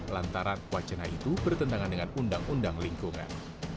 lantaran wacana itu bertentangan dengan undang undang lingkungan